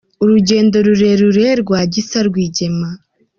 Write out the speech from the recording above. Urugendo rurerure rwa Gisa Rwigema